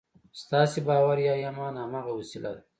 ستاسې باور یا ایمان هماغه وسیله ده